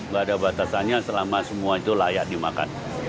gak ada batasannya selama semua itu layak dimakan